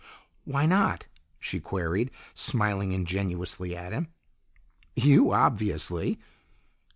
"Why not?" she queried, smiling ingenuously at him. "You, obviously."